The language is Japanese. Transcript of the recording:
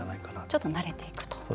ちょっと慣れていくと。